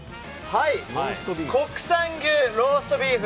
国産牛ローストビーフ。